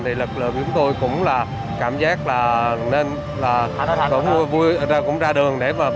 thì lực lượng chúng tôi cũng là cảm giác là nên là cũng ra đường để mà